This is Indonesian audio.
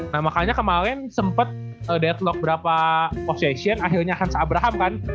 nah makanya kemarin sempat deadlock berapa position akhirnya hans abraham kan